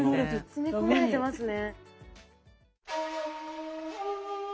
詰め込まれてますね。